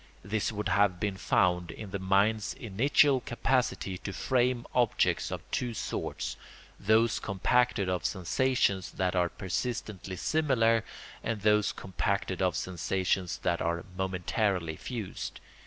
This would have been found in the mind's initial capacity to frame objects of two sorts, those compacted of sensations that are persistently similar, and those compacted of sensations that are momentarily fused.